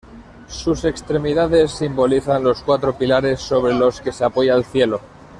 Sus extremidades simbolizaban los cuatro pilares sobre los que se apoya el cielo.